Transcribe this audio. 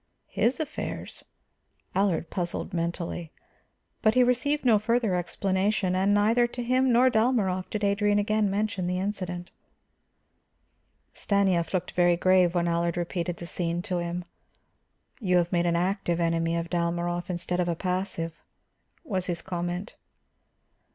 His affairs? Allard puzzled mentally. But he received no further explanation, and neither to him nor Dalmorov did Adrian again mention the incident. Stanief looked very grave when Allard repeated the scene to him. "You have made an active enemy of Dalmorov instead of a passive," was his comment.